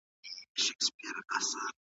نه دروند بار اوچتولای سي.